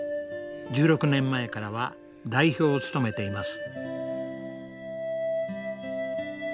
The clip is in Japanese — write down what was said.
１６年前からは代表を務めています。